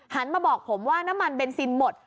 มาบอกผมว่าน้ำมันเบนซินหมด